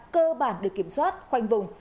cơ bản được kiểm soát khoanh vùng